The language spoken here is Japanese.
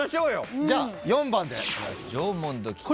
じゃあ４番で。